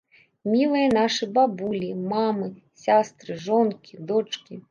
Мілыя нашы бабулі, мамы, сястры, жонкі, дочкі!